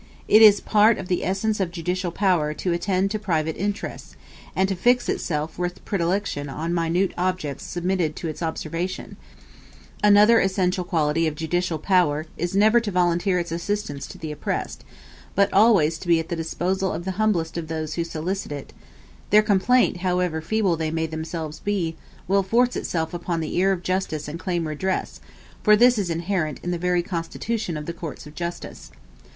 It is a part of the essence of judicial power to attend to private interests, and to fix itself with predilection on minute objects submitted to its observation; another essential quality of judicial power is never to volunteer its assistance to the oppressed, but always to be at the disposal of the humblest of those who solicit it; their complaint, however feeble they may themselves be, will force itself upon the ear of justice and claim redress, for this is inherent in the very constitution of the courts of justice.